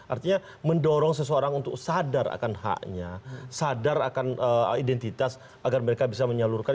artinya mendorong seseorang untuk sadar akan haknya sadar akan identitas agar mereka bisa menyalurkan